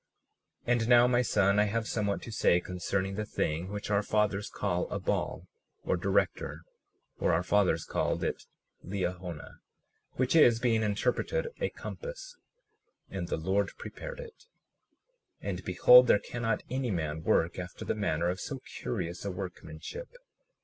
37:38 And now, my son, I have somewhat to say concerning the thing which our fathers call a ball, or director—or our fathers called it Liahona, which is, being interpreted, a compass; and the Lord prepared it. 37:39 And behold, there cannot any man work after the manner of so curious a workmanship.